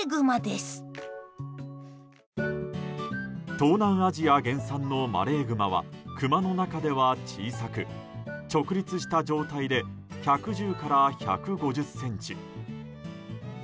東南アジア原産のマレーグマはクマの中では小さく直立した状態で１１０から１５０ｃｍ。